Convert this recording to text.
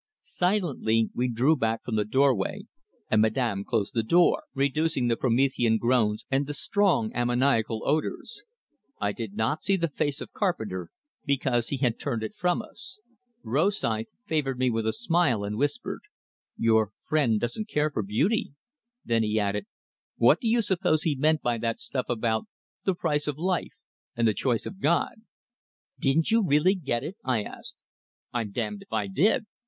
Silently we drew back from the door way, and Madame closed the door, reducing the promethean groans and the strong ammoniacal odors. I did not see the face of Carpenter, because he had turned it from us. Rosythe favored me with a smile, and whispered, "Your friend doesn't care for beautee!" Then he added, "What do you suppose he meant by that stuff about 'the price of life' and 'the choice of God?'" "Didn't you really get it?" I asked. "I'm damned if I did."